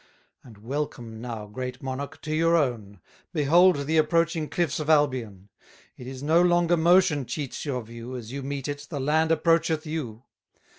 And welcome now, great monarch, to your own! 250 Behold the approaching cliffs of Albion: It is no longer motion cheats your view, As you meet it, the land approacheth you.